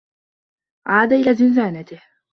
عاد إلى زنزانته.